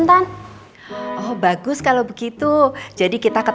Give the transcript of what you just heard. aku harus kuat demi mas al